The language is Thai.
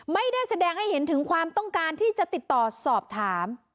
ไม่ได้แสดงให้เห็นถึงความต้องการที่จะติดต่อสอบถาม